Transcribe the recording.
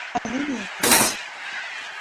Alinea printsje.